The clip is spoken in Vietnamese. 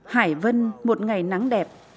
hải vân một ngày nắng đẹp